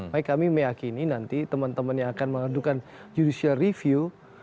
makanya kami meyakini nanti teman teman yang akan mengadukan judicial review